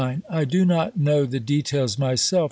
I do not know the details myself.